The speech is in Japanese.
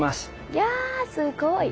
いやすごい。